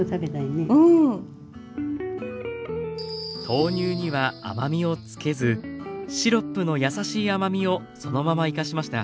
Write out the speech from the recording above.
豆乳には甘みをつけずシロップのやさしい甘みをそのまま生かしました。